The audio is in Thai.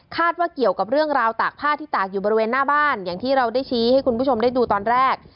ว่าเกี่ยวกับเรื่องราวตากผ้าที่ตากอยู่บริเวณหน้าบ้านอย่างที่เราได้ชี้ให้คุณผู้ชมได้ดูตอนแรก